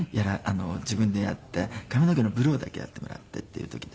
自分でやって髪の毛のブローだけやってもらってっていう時で。